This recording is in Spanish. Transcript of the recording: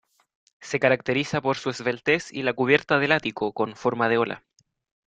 Se caracteriza por su esbeltez y la cubierta del ático con forma de ola.